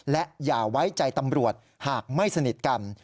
และอย่าไว้ใจตำรวจหากไม่สนิทกัน